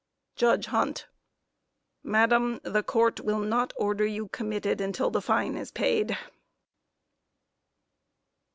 JUDGE HUNT Madam, the Court will not order you committed until the fine is paid.